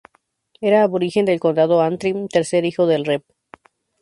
Era aborigen del Condado Antrim, tercer hijo del Rev.